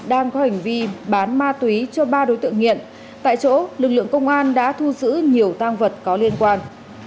đang có hành vi bán ma túy cho ba đối tượng nghiện tại chỗ lực lượng công an đã thu giữ nhiều tăng vật có liên quan